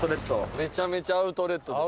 めちゃめちゃアウトレットです。